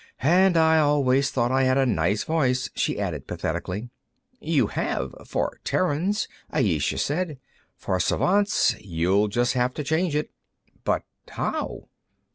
And I always thought I had a nice voice," she added, pathetically. "You have, for Terrans," Ayesha said. "For Svants, you'll just have to change it." "But how